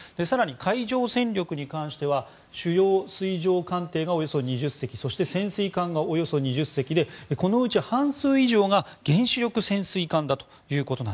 更に海上戦力に関しては主要水上艦艇がおよそ２０隻そして潜水艦がおよそ２０隻でこのうち半数以上が原子力潜水艦だと。